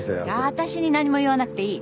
私に何も言わなくていい。